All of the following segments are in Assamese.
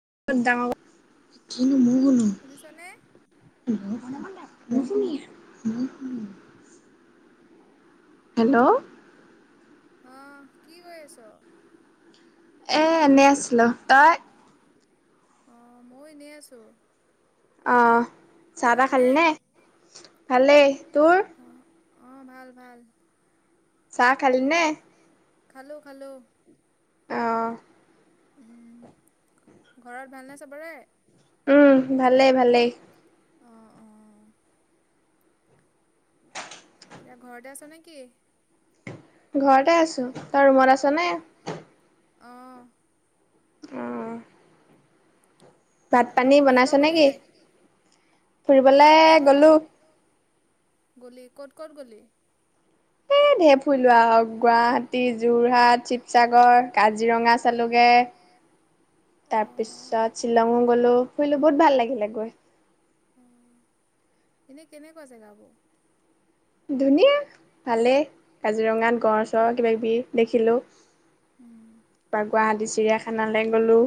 ডাঙৰ উ শুনিছো দিয়া হেল্লো। অ', কি কৈ আছ এ এনেই আছিল তই। অ', মই এনেই আছো। অ। চাহ তাহ খালি নে ভালেই তোৰ। অ', ভাল ভাল। চাহ খালি নে। খালো খালো। অ। উম ঘৰত ভাল নে চবৰে? উম ভালেই ভালেই। অ', অ। এতিয়া ঘৰতে আছ নেকি কি। ঘৰতে আছো। তই ৰুমত আছনে? অ। অ। ভাত পানী বনাইছ নেকি ফুৰিবলে গলো। গলি ক'ত ক'ত গলি? এ ঢেৰ ফুৰিলো আহ গুৱাহাটী, যোৰহাট, শিৱসাগৰ, কাজিৰঙা চালোগে তাৰপিছত শ্বিলঙো গলো ফুৰিলো বহুত ভাল লাগিলে গৈ। এনেই কেনেকুৱা জেগা বোৰ। ধুনীয়া ভালেই কাজিৰঙাত গড় চড় কিবাকিবি দেখিলো। বা গুৱাহাটীছো চিৰিয়াখানালে গ'লো।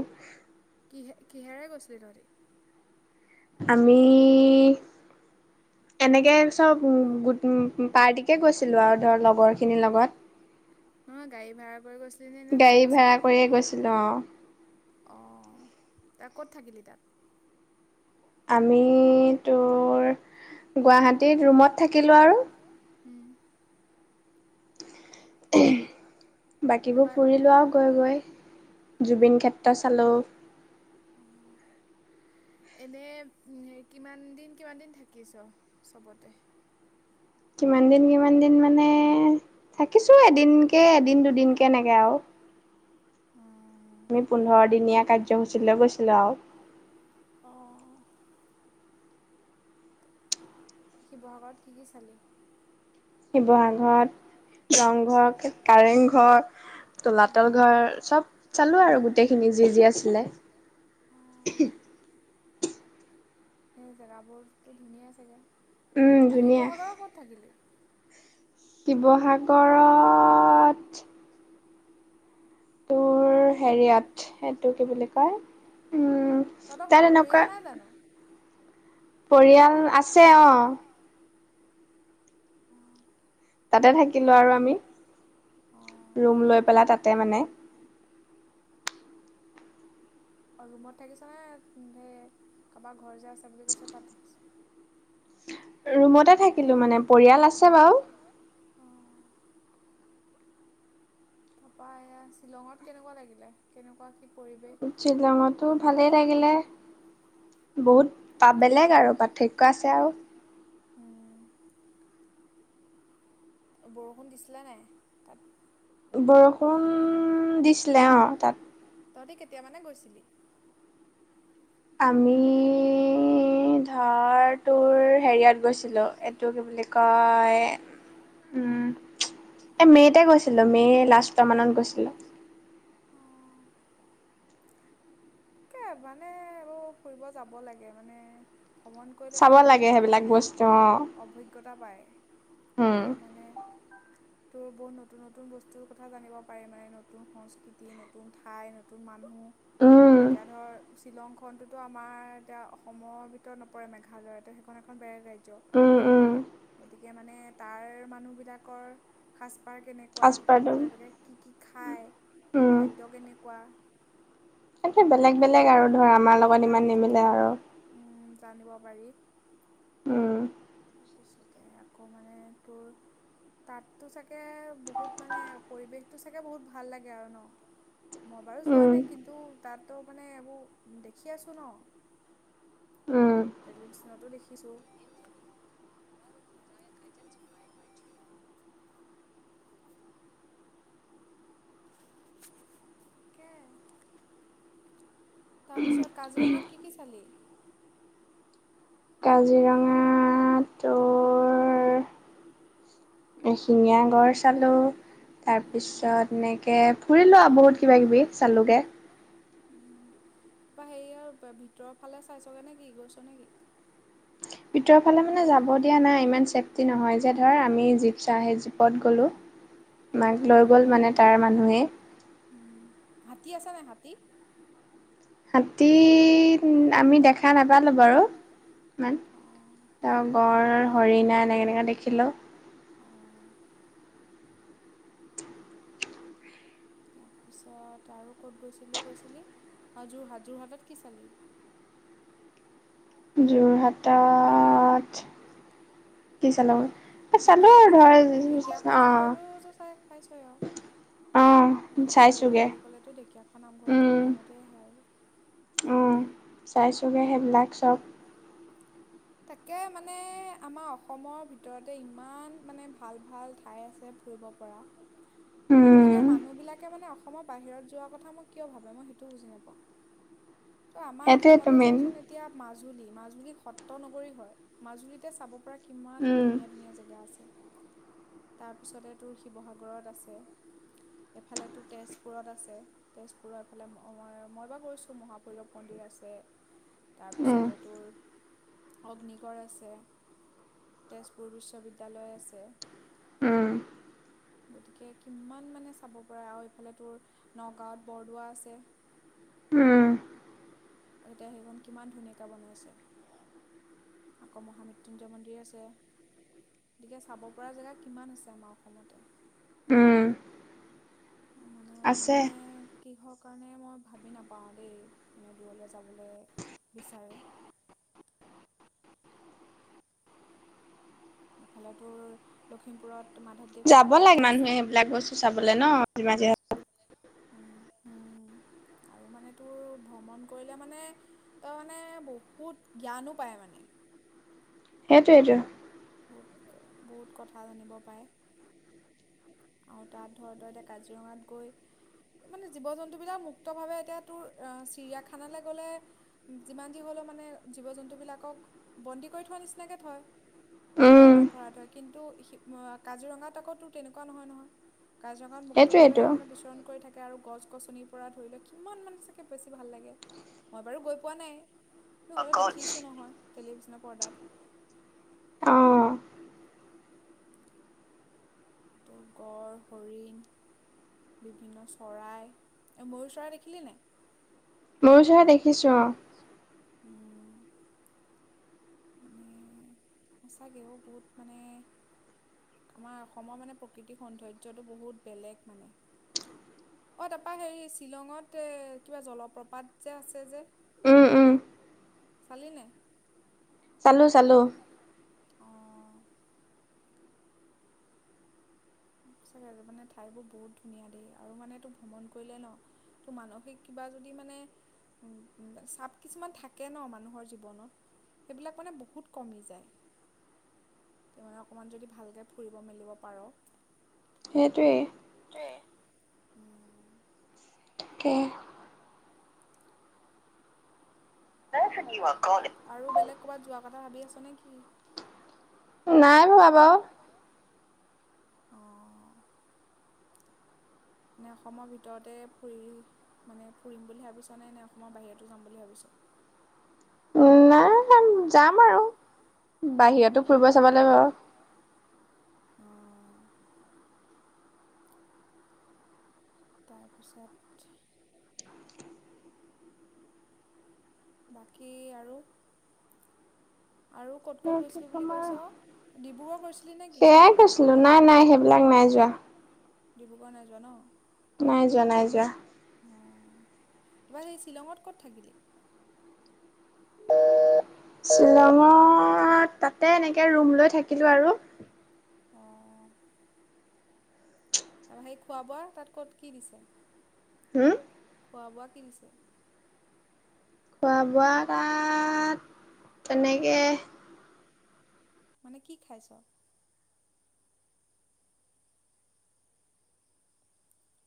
কিহে কিহেৰেই গৈছিলি তহঁতি। আমি এনেকে চব গোট পাৰ্টিকে গৈছিলো আৰু ধৰ লগৰ খিনিৰ লগত। নহয় গাড়ী ভাড়া কৰি গৈছ গাড়ী ভাড়া কৰিয়ে গৈছিলো অ। অ', তাৰ ক'ত থাকিলি তাত? আমি তোৰ গুৱাহাটীত ৰুমত থাকিলো আৰু। উম। [inaudible] বাকীবোৰ ফুৰি লোৱাও গৈ গৈ জুবিন ক্ষেত- ত্ৰ চালো এনে কিমান দিন কিমান দিন থাকিছ চবতে? কিমান দিন কিমান দিন মানে থাকিছো এদিনকে এদিন দুদিন কে এনেকে আৰু। উম আমি পোন্ধৰ দিনীয়া কাৰ্যসূচী লৈ গৈছিলো আৰু। অঁ শিৱসাগৰত কি কি চালি শিৱসাগৰত ৰংঘৰ, কাৰেংঘৰ, তলাতল ঘৰ চব চালোঁ আৰু গোটেইখিনি যি যি আছিলে। এ জেগাবোৰতো ধুনীয়া চাগে শিৱসাগৰৰ ক'ত থাকিলি? শিৱসাগৰ--ত ত হেৰিয়াত সেইটো কি বুলি কয় তহঁতৰ কোনোবা পৰিয়াল নাই জানো। পৰিয়াল আছে অহ। তাতে থাকিলো আৰু আমি ৰুম লৈ পেলাই তাতে মানে। অ ৰুমত থাকিছ নে সেই কাৰোবাৰ ঘৰ যে আছে বুলি কৈছ তাত থাকিছ। ৰুমতে থাকিলো মানে পৰিয়াল আছে বাৰু। তাৰাপা এয়া শ্বিলঙত কেনেকুৱা লাগিলে কেনেকুৱা। শ্বিলঙতো ভালেই লাগিলে। বহুত। বেলেগ আৰু পাৰ্থক্য আছে আৰু। বৰষুণ দিছিলা নাই তাত। বৰষুণ দিছিলে অ তাত। তহঁতি কেতিয়া মানে গৈছিলি। আমি ধৰটোৰ হেৰিয়াত গৈছিলো এইটো কি বুলি কয় উম। এ মে'তে গৈছিলো মে' লাষ্টট মানত গৈছিলো। কে মানে আৰু ফুৰিব যাব লাগে মানে। ভ্ৰমণ কৰিলে ন বহুতখিনি মানে অভিজ্ঞতা পায় আৰু মানে। তোৰ বহুত নতুন নতুন বস্তুৰ কথা জানিব পাৰেি মানে নতুন সংস্কৃতি নতুন ঠাই নতুন মানুহ। এতিয়া ধৰ। শ্বিলংখনততো আমাৰ এতিয়া অসমৰ ভিতৰত নপৰে মেঘালয় এতিয়া সেইখন এখন বেলেগ ৰাজ্য। [unintelligible] গতিকে মানে তাৰ মানুহবিলাকৰ। পাৰ কেনেকুৱা বা তেওঁলোকে কি কি। খায়। খাদ্য কেনেকুৱা। স বেলেগ বেলেগ আৰু ধৰ আমাৰ লগত ইমান নিমিলে আৰু। জানিব পাৰি। তাৰপিছতে আকৌ মানে তোৰ তাততো চাগে বহুত মানে পৰিৱেশটো চাগে বহুত ভাল লাগে আৰু ন মই বাৰু যোৱা নাই কিন্তু তাতো মানে এইবোৰ দেখি আছো ন টেলিভিচনতো দেখিছো। তাকে। তাৰপিছত কাজিৰঙাত কি কি চালি। কাজিৰঙা তোৰ। শিঙীয়া গড় চালো। তাৰপিছত এনেকে। ফুৰি লোৱা বহুত কিবা কিবি চালোগে। উ তাৰপা হেৰি আৰু ভিতৰৰ ফালে চাইছগে নে কি গৈছ নেকি। ভিতৰৰ ফালে মানে যাব দিয়া নাই ইমান চেফ টি নহয় যে ধৰ আমি জীপ চাহে জীপ ত গ'লো মাক লৈ গ'ল মানে তাৰ মানুহেই হাতী আছে নাই হাতী হাতী আমি দে খা নাপালো বাৰু ইমান ত গড় হৰিণা এনে এনেকা দেখিলো তাৰপিছত আৰু ক'ত গৈছিলো কৈছিলি অ যোৰহাট যোৰহাটত কি চালি যোৰহাটত ঢেকীয়াখোৱা নাম ঢেকীয়াখোৱা নামঘৰটো চাই পাইছই আও মানে যোৰহাট বুলি ক'লেতো ঢেকীয়াখোৱা নামঘৰটো প্ৰথমতে আহে আৰু অ চাইছোগে সেইবিলাক চব তাকে মানে আমাৰ অসমৰ ভিতৰতে ইমান মানে ভাল ভাল ঠাই আছে ফুৰিব পৰা গতিকে মানুহ বিলাকে মানে অস অসমৰ বাহিৰত যোৱাৰ কথানো কিয় ভাবে মই সেইটো বুজি নাপাওঁ ত' আমাৰ অসমতে চাচোন এতিয়া মাজুলী মাজুল জুলী সত্ৰ নগৰী হয় মাজুলীতে চাব পৰা কি কিমান ধুনীয়া ধুনীয়া জেগা আছে তাৰপিছতে তোৰ শিৱসাগৰত আছে এইফালেতোৰ তেজপুৰত আছে তেজপুৰৰ এফালে মই বা গৈছোঁ মহাভৈৰৱ মন্দিৰ আছে তাৰপিছতে তোৰ অগ্নিগড় আছে তেজপুৰ বিশ্ববিদ্যালয় আছে গতিকে কিমান মানে চাব পাৰে আৰু এইফালে তোৰ নগাঁৱত বৰদোৱা আছে আ এতিয়া সেইখন কিমান ধুনীয়াকৈ বনাইছে আকৌ মহামৃত্যুঞ্জয় মন্দিৰ আছে গতিকে চাব পৰা জেগা কিমান আছে আমাৰ অসমতে আছে কিহৰ কাৰণে মই ভাবি নাপাওঁ দেই মানে দূৰলৈ যাবলৈ বিচাৰে এফালে তোৰ লখিমপুৰত যাব লাগে মানুহে সেইবিলাক বস্তু চাবলে ন যিমান যি হলো উ আৰু মানে তোৰ ভ্ৰমণ কৰিলে মানে, তই মানে বহুত জ্ঞানো পায় মানে। সেইটোৱেটো। বহুত কথা জানিব পাৰে। আৰু তাত ধৰ ত এতিয়া কাজিৰঙাত গৈ মানে জীৱ জন্তুবিলাক মুক্তভাৱে এতিয়া তোৰ চিৰিয়াখানালৈ গ'লে যিমান যি হ'লেও মানে জীৱ জন্তুবিলাকক বন্দী কৰি থোৱা নিচিনাকে থয়। গঁৰালত ভৰাই থয় কিন্তু কাজিৰঙাত আকৌ তোৰ তেনে কোৱা নহয়-নহয়। কাজিৰঙাত মুক্তভাৱে মানে বিচৰণ কৰি থাকে। আৰু গছ গছনিৰ পৰা ধৰি লোৱা কিমান মান চাগে বেছি ভাল লাগে। মই বাৰু গৈ পোৱা নাই। কিন্তু হলো দেখিছো নহয়। টেলিভিছনৰ পৰ্দাত। সেইটো গঁড়, হৰিণ, বিভিন্ন চৰাই। এই ময়ূ চৰাই দেখিলি নাই ময়ূৰ উম। মানে সঁচাকৈ অ বহুত মানে আমাৰ অসমৰ মানে প্ৰাকৃতিক সৌন্দৰ্যটো বহুত বেলেগ মানে। অঁ তাৰপৰা হেৰি শ্বিলঙত কিবা জলপ্ৰপাত যে আছে যে চালিনে? চালো-চালো। সচাকে যে মানে ঠাইবোৰ বহুত ধুনীয়া দেই আৰু মানে তোৰ ভ্ৰমণ কৰিলে ন তু মানসিক কিবা যদি মানে চাপ কিছুমান থাকে ন মানুহৰ জীৱনত, সেইবিলাক মানে বহুত কমি যায় মানে অকণমান যদি ভালকে ফুৰিব মেলিব পাৰ। সেইটোৱেই। তাকে পেচেন আৰু বেলেগ ক'বাত যোৱা কথা ভাবি আছে নেকি? নাই ভবা বাও। নে অসমৰ ভিতৰতে ফুৰি মানে ফুৰিম বুলি ভাবিছ, নে-নে অসমৰ বাহিৰতো যাম বুলি ভাবিছ? উ নাই যাম আৰু বাহিৰতো ফুৰিব চাব লাগিব। তাৰপিছত। বাকী আৰু। ম সেইয়াই গৈছিলো নাই-নাই সেইবিলাক নাই যোৱা। ডিব্ৰুগড় নাই যোৱা ন? নাই যোৱা, নাই যোৱা। [unintelligible] শ্বিলঙত ক'ত থাকিলি? শ্বিলঙত তাতে এনেকে ৰুম লৈ থাকিলো আৰু। অঁ। সেই খোৱা বোৱা তাত ক'ত কি দিছে? হম। খোৱা বোৱা কি দিছে? খোৱা বোৱা ত তাত তেনেকে- মানে কি খাইছ?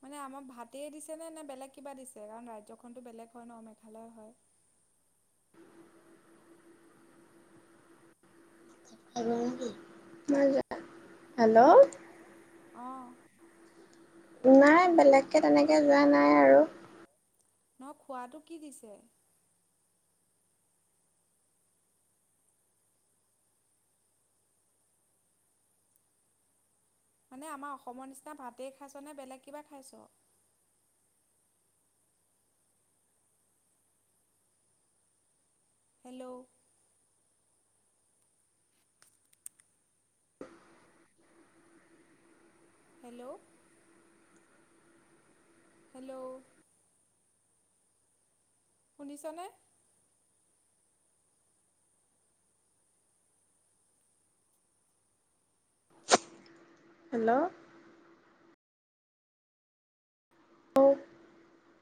মানে আমাক ভাতেই দিছেনে নে বেলেগ কিবা দিছে? কাৰণ ৰাজ্যখনতো বেলেগ হয় ন মেঘালয় হয়। হেল্ল' মই যে হেল্ল অঁ। নাই বেলেগকে তেনেকে যোৱা নাই আৰু। ন খোৱাটো কি দিছে? মানে আমাৰ অসমৰ নিচিনা ভাতেই খাইছ নে বেলেগ কিবা খাইছ? হেল্ল' হেল্ল' হেল্ল' শুনিছনে? Hello hello